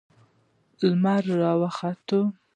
لمر راوخوت